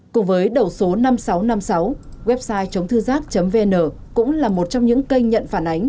cùng với đầu số năm nghìn sáu trăm năm mươi sáu website chốngthưgiác vn cũng là một trong những kênh nhận phản ánh